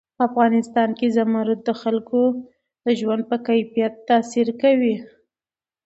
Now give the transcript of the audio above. په افغانستان کې زمرد د خلکو د ژوند په کیفیت تاثیر کوي.